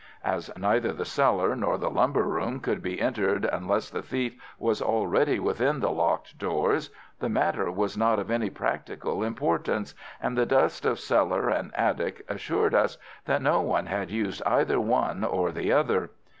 As neither the cellar nor the lumber room could be entered unless the thief was already within the locked doors, the matter was not of any practical importance, and the dust of cellar and attic assured us that no one had used either one or the other.